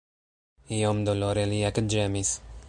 Iom dolore li ekĝemis.